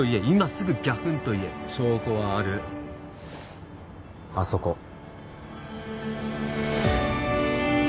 今すぐギャフンと言え証拠はあるあそこ